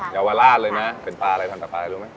เยาวราชเลยนะเป็นปลาอะไรพันกับปลาอะไรรู้ไหม